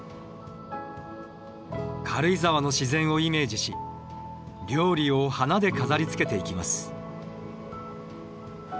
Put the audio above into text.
軽井沢の自然をイメージし料理を花で飾りつけていきます。